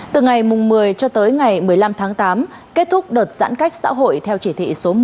từ ngày một mươi cho tới ngày một mươi năm tháng tám kết thúc đợt giãn cách xã hội theo chỉ thị số một mươi sáu lần thứ hai